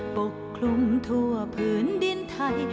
ปกคลุมทั่วผืนดินไทย